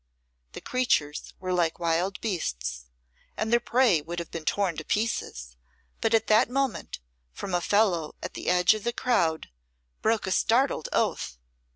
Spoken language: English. The creatures were like wild beasts, and their prey would have been torn to pieces, but at that moment, from a fellow at the edge of the crowd broke a startled oath.